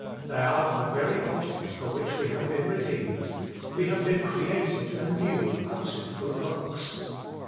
They are the very object for which we have been redeemed : we have been created anew unto good works.